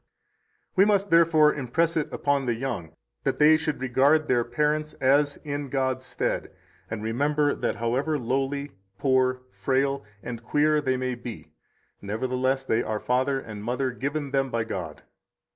108 We must, therefore, impress it upon the young that they should regard their parents as in God's stead, and remember that however lowly, poor, frail, and queer they may be, nevertheless they are father and mother given them by God.